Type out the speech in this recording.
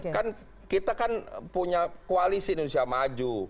kan kita kan punya koalisi indonesia maju